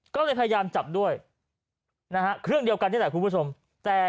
ก็เลยพยายามจับด้วยนะฮะเครื่องเดียวกันนี่แหละคุณผู้ชมแต่